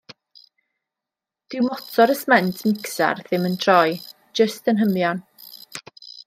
Dyw motor y sment micsar ddim yn troi, jyst yn hymian.